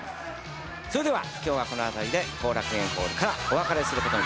それでは今日はこの辺りで後楽園ホールからお別れすることに。